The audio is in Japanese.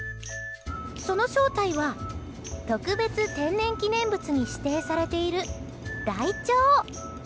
その正体は、特別天然記念物に指定されているライチョウ。